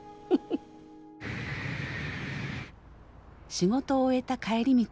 仕事を終えた帰り道